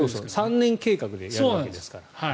３年計画でやるわけですから。